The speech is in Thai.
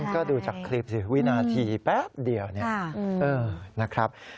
ก็ดูจากคลิปสิวินาทีแป๊บเดียวเนี่ยนะครับ